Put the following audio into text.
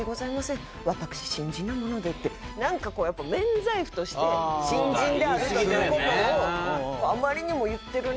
なんかこうやっぱ免罪符として新人であるという事をあまりにも言ってるなと思って。